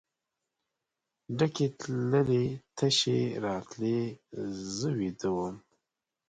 ډکې تللې تشې راتللې زه ویده وم.